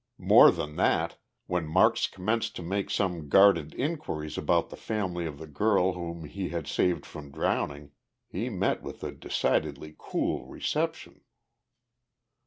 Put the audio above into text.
More than that, when Marks commenced to make some guarded inquiries about the family of the girl whom he had saved from drowning, he met with a decidedly cool reception.